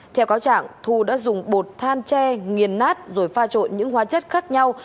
theo cáo trạng thu đã dùng bột than tre nghiền nát rồi pha trộn những hóa chất khác nhau